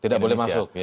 tidak boleh masuk